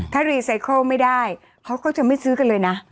ถ้ารีไซเคิลไม่ได้เขาก็จะไม่ซื้อกันเลยนะ